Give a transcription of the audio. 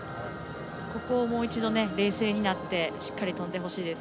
ここをもう一度冷静になってしっかり跳んでほしいです。